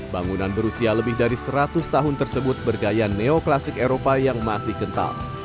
bangunan berusia lebih dari seratus tahun tersebut bergaya neoklasik eropa yang masih kental